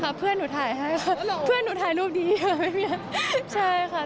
ค่ะเพื่อนหนูถ่ายให้ค่ะเพื่อนหนูถ่ายรูปดีค่ะไม่มีใช่ค่ะ